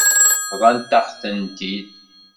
Bḍant-aɣ-tent-id.